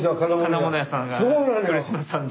金物屋さんが来島さんの。